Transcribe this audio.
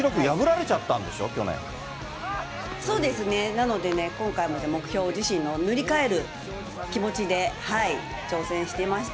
なのでね、今回も目標を自身の塗り替える気持ちで、挑戦していました。